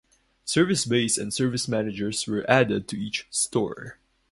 Service bays and service managers were added to each store.